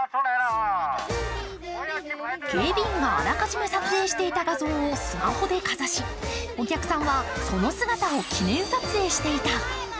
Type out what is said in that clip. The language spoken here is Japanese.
警備員があらかじめ撮影していた画像をスマホでかざしお客さんは、その姿を記念撮影していた。